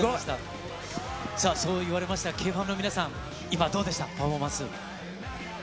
さあ、そう言われましたＫｆａｍの皆さん、今、どうでした、パフォーマンス。